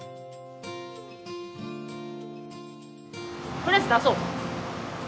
とりあえず出そう！